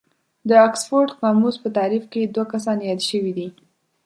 د اکسفورډ قاموس په تعريف کې دوه کسان ياد شوي دي.